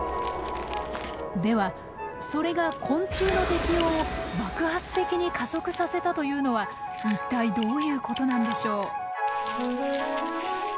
ではそれが昆虫の適応を爆発的に加速させたというのは一体どういうことなんでしょう？